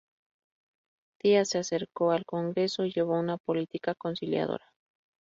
Díaz se acercó al Congreso y llevó una política conciliadora.